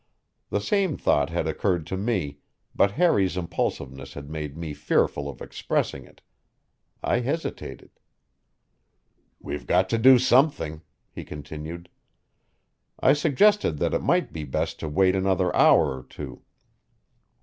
The same thought had occurred to me, but Harry's impulsiveness had made me fearful of expressing it. I hesitated. "We've got to do something," he continued. I suggested that it might be best to wait another hour or two.